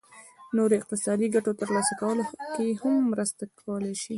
نورو اقتصادي ګټو ترلاسه کولو کې هم مرسته کولای شي.